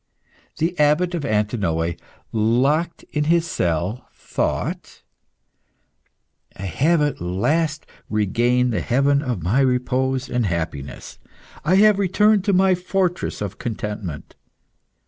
The Abbot of Antinoe, locked in his cell, thought "I have at last regained the haven of my repose and happiness. I have returned to my fortress of contentment.